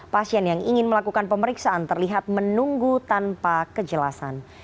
pasien yang ingin melakukan pemeriksaan terlihat menunggu tanpa kejelasan